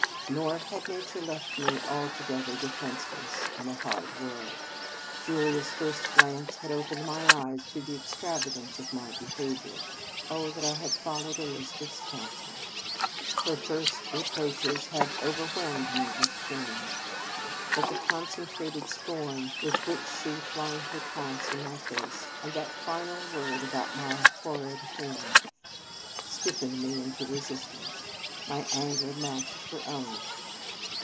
Nor had nature left me altogether defenceless in a hard world. Julia s first glance had opened my eyes to the extravagance of my be haviour (Oh, that I had followed Eliza beth s counsel!), her first reproaches had overwhelmed me with shame. But the concentrated scorn with which she flung her taunts in my face, and that final word about irry horrid hand, stiffened me into resistance. My anger matched her own.